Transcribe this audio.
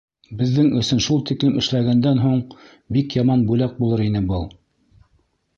Беҙҙең өсөн шул тиклем эшләгәндән һуң бик яман бүләк булыр ине был.